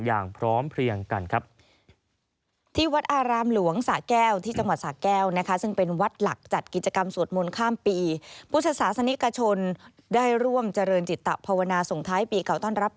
อย่างพร้อมเพลียงกันครับ